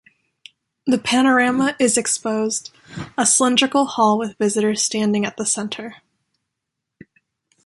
The panorama is exposed a cylindric hall with visitors standing at the center.